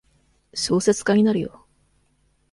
小説家になるよ。